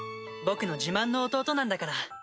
僕の自慢の弟なんだから。